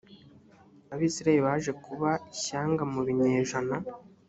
abisirayeli baje kuba ishyanga mu binyejana